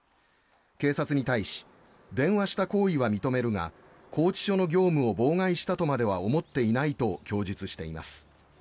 警察に対し電話した行為は認めるが拘置所の業務を妨害したとまでは思っていないと供述しています。